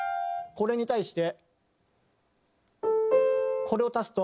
これに対して。